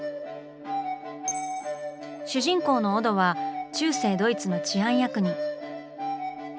主人公のオドは中世ドイツの治安役人。